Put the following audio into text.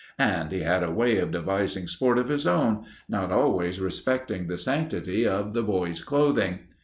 And he had a way of devising sport of his own, not always respecting the sanctity of the boys' clothing.